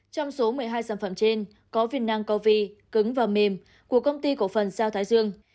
trong số một mươi hai sản phẩm trên có viên năng covid cứng và mềm của công ty cổ phần sao thái dương